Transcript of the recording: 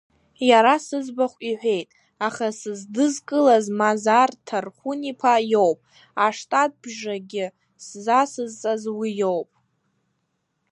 Иара сыӡбахә иҳәеит, аха сыздызкылаз Мазар Ҭархәын-иԥа иоуп, аштатбжагьы сзацызҵаз уи иоуп.